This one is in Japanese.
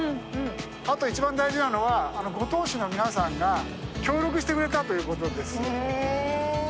あと一番大事なのは五島市の皆さんが協力してくれたということです。